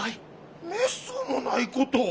めっそうもないことを。